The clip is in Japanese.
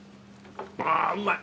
・あぁうまい。